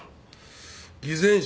「偽善者！